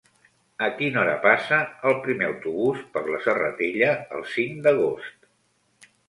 A quina hora passa el primer autobús per la Serratella el cinc d'agost?